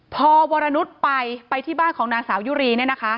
พอวรนุษย์ไปไปที่บ้านของนางสาวยุรี